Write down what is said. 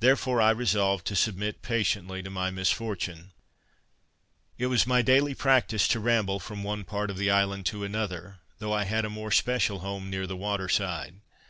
Therefore, I resolved to submit patiently to my misfortune. It was my daily practice to ramble from one part of the island to another, though I had a more special home near the water side.